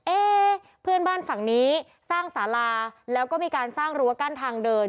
เอ๊เพื่อนบ้านฝั่งนี้สร้างสาราแล้วก็มีการสร้างรั้วกั้นทางเดิน